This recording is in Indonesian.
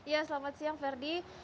ya selamat siang ferdi